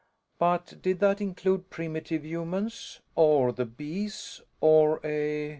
But did that include primitive humans? Or the Bees? Or a